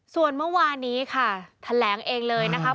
ส่วนเมื่อวานนี้ค่ะแถลงเองเลยนะครับ